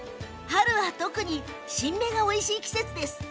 春は特に新芽がおいしい季節。